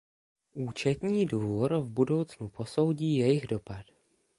Účetní dvůr v budoucnu posoudí jejich dopad.